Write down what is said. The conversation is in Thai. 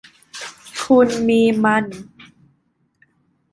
คุณมีมัน